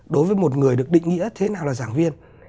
đối với một người được định nghĩa thế nào là giảng viên